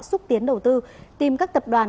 xúc tiến đầu tư tìm các tập đoàn